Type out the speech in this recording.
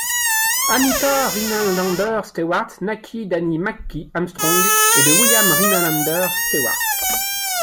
Anita Rhinelander Stewart naquit d'Annie McKee Armstrong et de William Rhinelander Stewart.